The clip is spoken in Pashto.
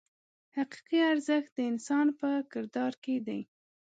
حقیقي ارزښت د انسان په کردار کې دی.